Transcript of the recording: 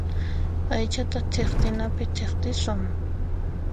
Aychata thiqtinapi thiqtisun.